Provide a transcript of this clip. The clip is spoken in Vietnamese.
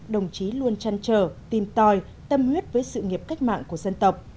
đồng chí luôn chăn trở tìm tòi tâm huyết với sự nghiệp cách mạng của dân tộc